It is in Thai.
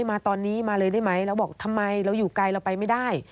มาตอนนี้มาเลยได้ไหมเราบอกทำไมเราอยู่ไกลเราไปไม่ได้